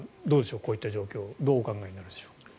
こういった状況どうお考えになるでしょう。